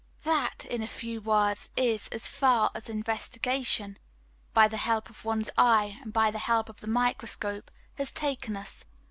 That, in a few words, is, as far as investigation by the help of one's eye and by the help of the microscope has taken us.